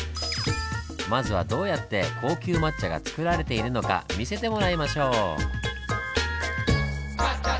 まずはどうやって高級抹茶がつくられているのか見せてもらいましょう！